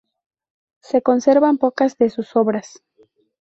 Se conservan pocas de sus obras.